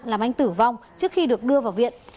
làm anh tử vong trước khi được đưa vào viện